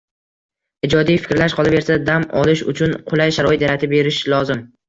Ijodiy fikrlash, qolaversa dam olish uchun qulay sharoit yaratib berish lozim